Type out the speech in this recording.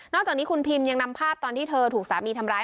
จากนี้คุณพิมยังนำภาพตอนที่เธอถูกสามีทำร้าย